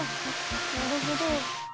なるほど。